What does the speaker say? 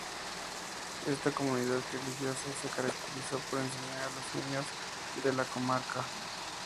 Esta comunidad religiosa se caracterizó por enseñar a los niños de la comarca.